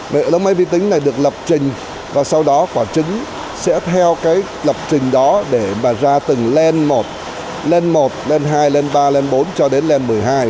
hệ thống máy vi tính này được lập trình và sau đó quả trứng sẽ theo lập trình đó để ra từng len một len một len hai len ba len bốn cho đến len một mươi hai